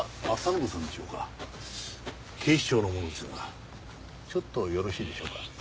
警視庁の者ですがちょっとよろしいでしょうか？